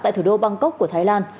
tại thủ đô bangkok của thái lan